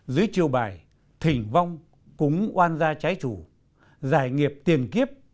dưới chiều bài thỉnh vong cúng oan ra trái chủ giải nghiệp tiền kiếp